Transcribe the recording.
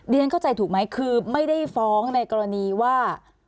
เข้าใจถูกไหมคือไม่ได้ฟ้องในกรณีว่า